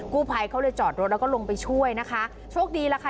กู้ภัยเขาเลยจอดรถแล้วก็ลงไปช่วยนะคะโชคดีแล้วค่ะ